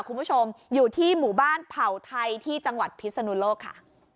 คุณผู้ชมอยู่ที่หมู่บ้านเผ่าไทยที่จังหวัดพิศนุโลกค่ะ